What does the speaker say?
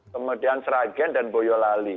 kemudian sragen dan boyolali